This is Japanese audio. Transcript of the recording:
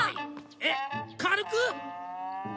えっ軽く？